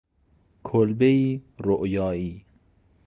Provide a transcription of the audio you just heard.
کلبهای رؤیایی